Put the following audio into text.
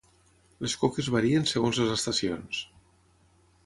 Les coques varien segons les estacions